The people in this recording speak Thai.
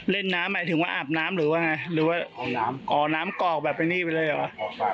เล่นน้ำหมายถึงว่าอาบน้ำหรือว่าไงหรือว่าน้ำกรอกแบบนี้ไปเลยหรือ